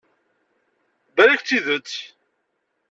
Balak d tidet.